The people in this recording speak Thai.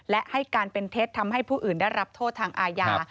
และให้การเป็นเท็จทำให้ผู้อื่นได้รับโทษทางอาญา